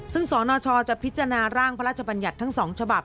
ซึ่งสนชจะพิจารณาร่างพระราชบัญญัติทั้ง๒ฉบับ